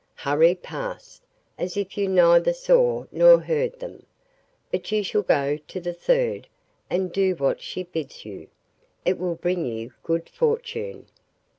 Hurry past, as if you neither saw nor heard them; but you shall go to the third and do what she bids you; it will bring you good fortune.